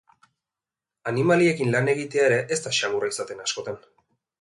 Animaliekin lan egitea ere ez da samurra izaten askotan.